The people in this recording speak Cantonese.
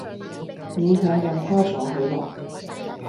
勉強讓她坐起來